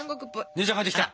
姉ちゃん帰ってきた。